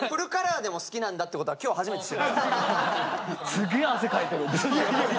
すげえ汗かいてる。